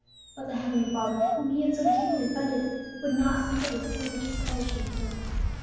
But the heavenly Father, whom he had so deeply offended, would not suffer the sinner to perish in his sin.